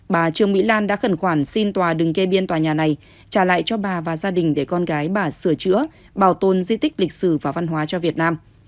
bà trương mỹ lan đã khẩn khoản xin tòa đừng kê biên tòa nhà này trả lại cho bà và gia đình để con gái bà sửa chữa bảo tồn di tích lịch sử và văn hóa cho việt nam